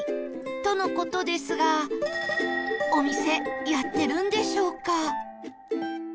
との事ですがお店やってるんでしょうか？